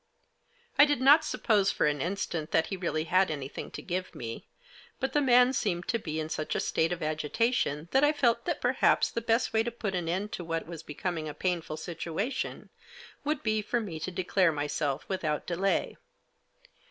I did not suppose, for an instant, that he really had anything to give me. But the man seemed to be in such a state of agitation, that I felt that perhaps the best way to put an end to what was becoming a painful situation would be for me to declare myself without delay.